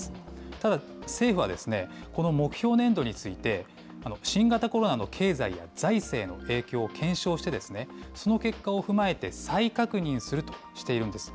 ただ政府は、この目標年度について、新型コロナの経済や財政の影響を検証して、その結果を踏まえて再確認するとしているんです。